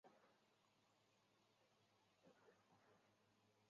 因位于行德地区南部而命名。